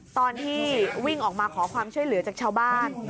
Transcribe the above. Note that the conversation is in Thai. ตอนที่วิ่งออกมาขอความช่วยเหลือจากชาวบ้าน